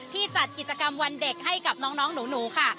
จัดกิจกรรมวันเด็กให้กับน้องหนูค่ะ